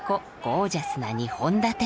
ゴージャスな２本立て。